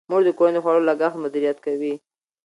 مور د کورنۍ د خوړو لګښت مدیریت کوي.